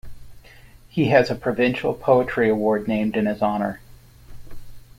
He has a provincial poetry award named in his honour.